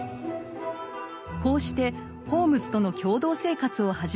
こうしてホームズとの共同生活を始めたワトソン。